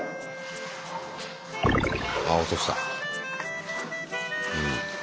あ落とした。